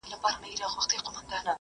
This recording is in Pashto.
زه به سبا کتابونه ليکم!.